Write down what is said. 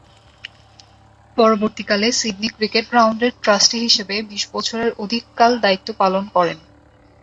পরবর্তীকালে Sydney cricket গ্রাউন্ডের trustee হিসেবে বিশ বছরের অধিককাল দায়িত্ব পালন করেন।